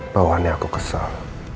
bawahannya aku kesal